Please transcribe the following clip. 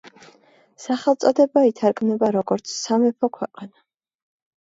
სახელწოდება ითარგმნება როგორც „სამეფო ქვეყანა“.